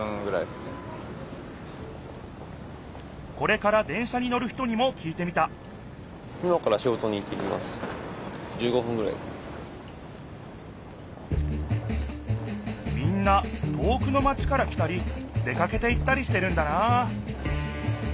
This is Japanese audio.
これから電車に乗る人にもきいてみたみんな遠くのマチから来たり出かけていったりしてるんだな